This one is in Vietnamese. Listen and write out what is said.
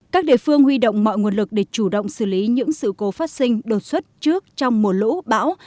các địa phương huy động mọi nguồn lực để chủ động xử lý những sự cố phát sinh đột xuất trước trong mùa lũ bão